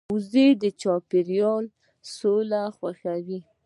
وزې د چاپېریال سوله خوښوي